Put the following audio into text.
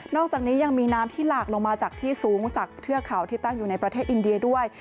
อกจากนี้ยังมีน้ำที่หลากลงมาจากที่สูงจากเทือกเขาที่ตั้งอยู่ในประเทศอินเดียด้วย